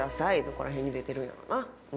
どこら辺に出てるんやろな？